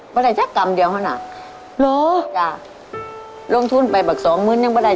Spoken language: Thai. บรรยายจักรกลำเดียวหรอนะ